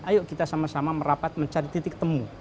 ayo kita sama sama merapat mencari titik temu